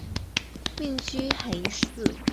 命居海印寺。